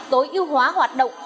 tối ưu hóa hoạt động